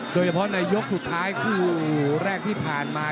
โดยเฉพาะในยกสุดท้ายคู่แรกที่ผ่านมา